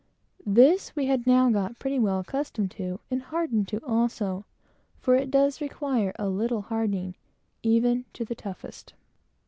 This we had now got pretty well accustomed to; and hardened to also; for it does require a little hardening even to the toughest.